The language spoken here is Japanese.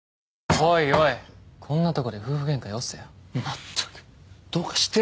おいおいこんなとこで夫婦ゲンカよせよまったくどうかしてるよ